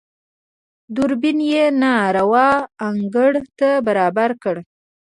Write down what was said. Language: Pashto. دوربين يې نااواره انګړ ته برابر کړ.